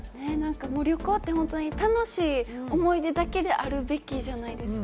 旅行って楽しい思い出だけであるべきじゃないですか。